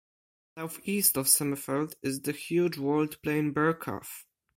Southeast of Sommerfeld is the huge walled plain Birkhoff.